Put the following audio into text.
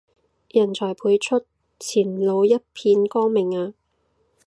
人才輩出，前路一片光明啊